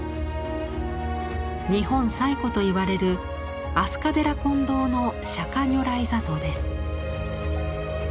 「日本最古」と言われる飛鳥寺金堂の釈如来坐像です。